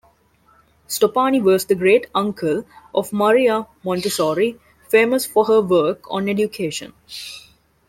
Stoppani was the great-uncle of Maria Montessori, famous for her work on education.